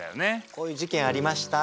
こういう事件ありました。